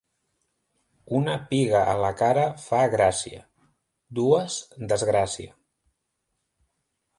Una piga a la cara fa gràcia; dues, desgràcia.